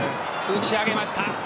打ち上げました。